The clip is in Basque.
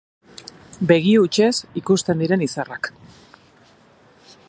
Begi hutsez ikusten diren izarrak.